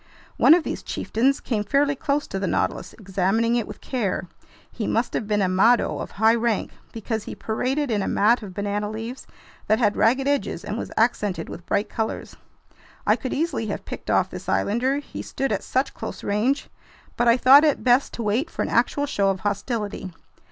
One of these chieftains came fairly close to the Nautilus, examining it with care. He must have been a "mado" of high rank, because he paraded in a mat of banana leaves that had ragged edges and was accented with bright colors. I could easily have picked off this islander, he stood at such close range; but I thought it best to wait for an actual show of hostility.